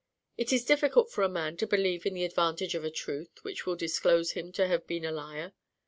It is difficult for a man to believe in the advantage of a truth which will disclose him to have been a liar.